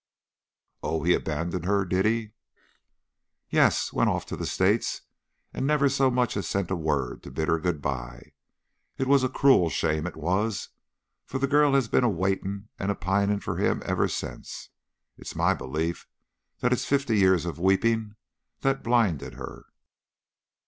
"Oh, he abandoned her, did he?" "Yes went off to the States, and never so much as sent a word to bid her good bye. It was a cruel shame, it was, for the girl has been a waiting and a pining for him ever since. It's my belief that it's fifty years' weeping that blinded her."